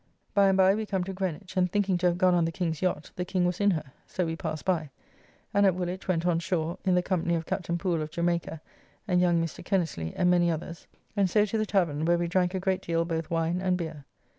By and by we come to Greenwich, and thinking to have gone on the King's yacht, the King was in her, so we passed by, and at Woolwich went on shore, in the company of Captain Poole of Jamaica and young Mr. Kennersley, and many others, and so to the tavern where we drank a great deal both wine and beer.